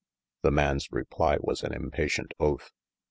The man's reply was an impatient oath.